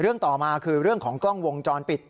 ต่อมาคือเรื่องของกล้องวงจรปิด